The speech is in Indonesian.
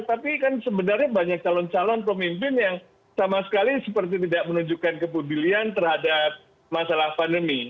tapi kan sebenarnya banyak calon calon pemimpin yang sama sekali seperti tidak menunjukkan kepedulian terhadap masalah pandemi